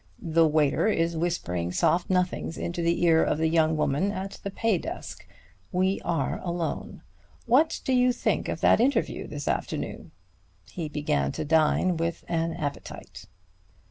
The waiter is whispering soft nothings into the ear of the young woman at the pay desk. We are alone. What do you think of that interview of this afternoon?" He began to dine with an appetite.